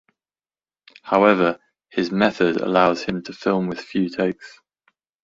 However, his "method" allows him to film with few takes.